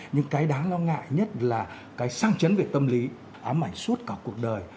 nhưng cái đáng lo ngại nhất là cái sang chấn về tâm lý ám ảnh suốt cả cuộc đời